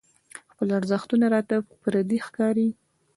خپل ارزښتونه راته پردي ښکاري.